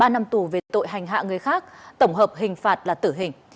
ba năm tù về tội hành hạ người khác tổng hợp hình phạt là tử hình